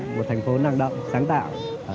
của thành phố năng động sáng tạo